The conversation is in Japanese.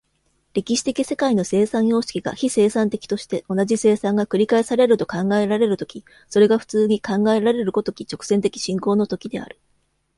歴史的世界の生産様式が非生産的として、同じ生産が繰り返されると考えられる時、それが普通に考えられる如き直線的進行の時である。